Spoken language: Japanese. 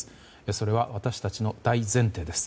それは私たちの大前提です。